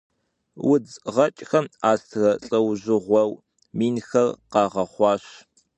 Удз гъэкӏхэм астрэ лӏэужьыгъуэу минхэр къагъэхъуащ.